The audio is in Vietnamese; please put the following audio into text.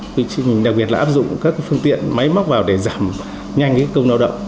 quy trình đặc biệt là áp dụng các phương tiện máy móc vào để giảm nhanh công lao động